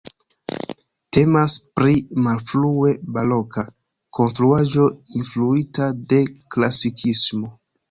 Temas pri malfrue baroka konstruaĵo influita de klasikismo.